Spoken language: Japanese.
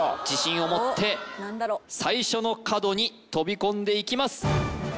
自信を持って最初の角に飛び込んでいきます